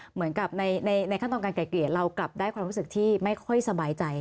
เหมือนกับในขั้นตอนการไกลเกลี่ยเรากลับได้ความรู้สึกที่ไม่ค่อยสบายใจ